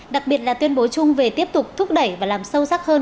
đặc biệt là tuyên bố chung về tiếp tục thúc đẩy và làm sâu sắc hơn